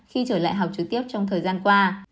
khi trở lại học trực tiếp trong thời gian qua